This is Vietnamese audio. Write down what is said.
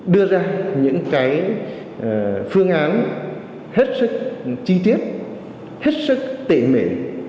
đưa ra những phương án hết sức chi tiết hết sức tỉ mỉ